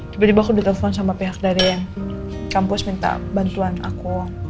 tiba tiba aku ditelepon sama pihak dari yang kampus minta bantuan aku